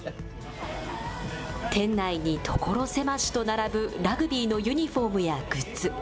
店内に所狭しと並ぶラグビーのユニホームやグッズ。